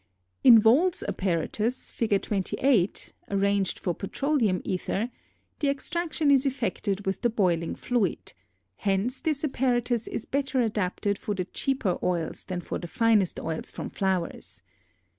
In Vohl's apparatus (Fig. 28), arranged for petroleum ether, the extraction is effected with the boiling fluid; hence this apparatus is better adapted for the cheaper oils than for the finest oils from flowers.